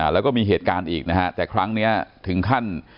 แล้วก็มีเหตุการณ์อีกนะฮะแต่ครั้งนี้ถึงขั้น